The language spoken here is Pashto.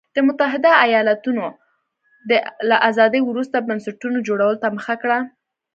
د متحده ایالتونو له ازادۍ وروسته بنسټونو جوړولو ته مخه کړه.